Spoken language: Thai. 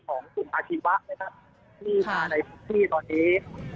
ของพวกที่ตอนนี้